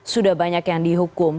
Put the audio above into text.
sudah banyak yang dihukum